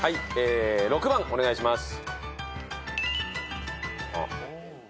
６番お願いします。